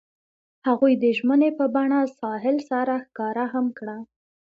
هغوی د ژمنې په بڼه ساحل سره ښکاره هم کړه.